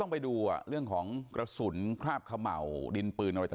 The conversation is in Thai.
ตอนนี้กำลังจะโดดเนี่ยตอนนี้กำลังจะโดดเนี่ย